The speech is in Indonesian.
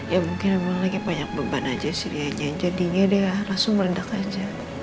ya mungkin emang lagi banyak beban aja sih dia jadinya dia langsung meredak aja